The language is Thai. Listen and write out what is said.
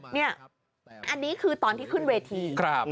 นี่อันนี้คือตอนที่ขึ้นเวที